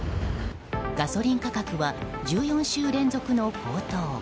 ガソリン価格は１４週連続の高騰。